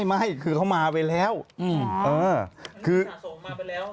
ไม่คือเขามาไปแล้วอืมเออคือส่งมาไปแล้ว